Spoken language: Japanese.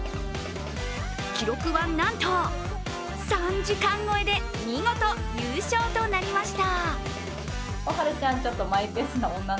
記録は、なんと３時間超えで見事優勝となりました。